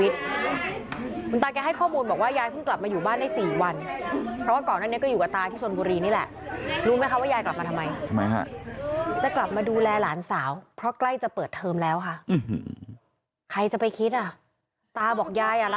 ตาบอกยายรักหลานมากรักมาก